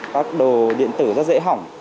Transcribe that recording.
các đồ điện tử rất dễ hỏng